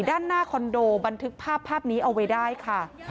ด้านหน้าคอนโดบันทึกภาพภาพนี้เอาไว้ได้ค่ะ